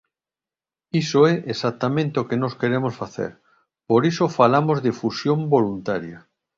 Iso é exactamente o que nós queremos facer, por iso falamos de fusión voluntaria.